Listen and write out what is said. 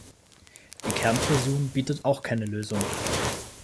Die Kernfusion bietet auch keine Lösung.